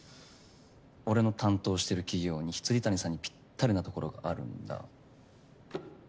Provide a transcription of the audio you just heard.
俺の担当してる企業に未谷さんにぴったりなところがあるんだ。